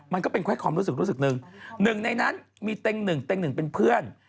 มันก็เป็นแค่ความรู้สึกรู้สึกหนึ่งหนึ่งในนั้นมีเต็งหนึ่งเต็งหนึ่งเป็นเพื่อน